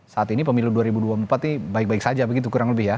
saat ini pemilu dua ribu dua puluh empat ini baik baik saja begitu kurang lebih ya